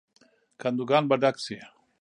کندوګان به ډک شي.